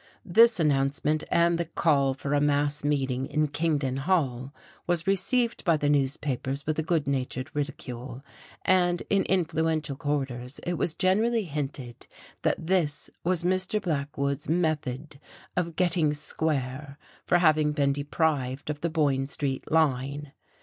This announcement and the call for a mass meeting in Kingdon Hall was received by the newspapers with a good natured ridicule, and in influential quarters it was generally hinted that this was Mr. Blackwood's method of "getting square" for having been deprived of the Boyne Street line.